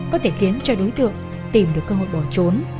có thể khiến cho đối tượng tìm được cơ hội bỏ trốn